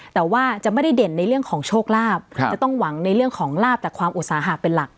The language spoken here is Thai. แต่ว่าจะไม่ได้เด่นในเรื่องของโชคลาภจะต้องหวังในเรื่องของลาบแต่ความอุตสาหะเป็นหลัก